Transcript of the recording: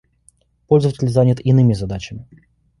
Пользователь занят иными задачами